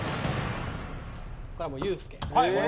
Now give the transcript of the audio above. これはもうユースケ。